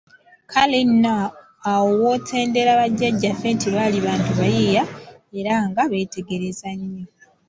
Kale nno awo w'otendera Bajjaajjaafe nti baali bantu bayiiya era nga beetegereza nnyo.